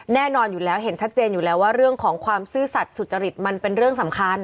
แน่นอนอยู่แล้วเห็นชัดเจนอยู่แล้วว่าเรื่องของความซื่อสัตว์สุจริตมันเป็นเรื่องสำคัญ